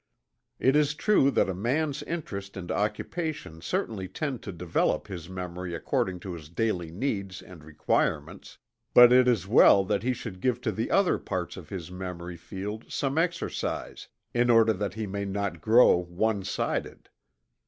It is true that a man's interest and occupation certainly tend to develop his memory according to his daily needs and requirements, but it is well that he should give to the other parts of his memory field some exercise, in order that he may not grow one sided.